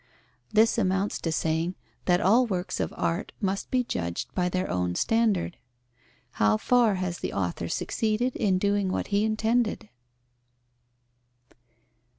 This amounts to saying that all works of art must be judged by their own standard. How far has the author succeeded in doing what he intended?